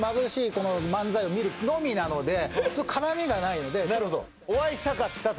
この漫才を見るのみなので絡みがないのでなるほどお会いしたかったと？